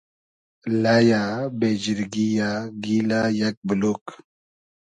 لئیۂ ، بې جیرگی یۂ ، گیلۂ یئگ بولوگ